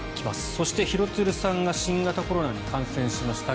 そして廣津留さんが新型コロナに感染しました。